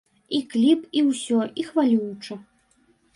І кліп, і ўсё, і хвалююча.